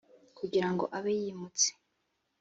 kugira ngo abe yimutse